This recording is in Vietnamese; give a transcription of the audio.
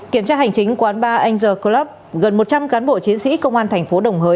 kiểm tra hành chính quán bar angel club gần một trăm linh cán bộ chiến sĩ công an thành phố đồng hới